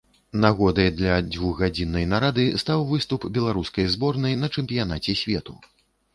Нагодай для дзвюхгадзіннай нарады стаў выступ беларускай зборнай на чэмпіянаце свету.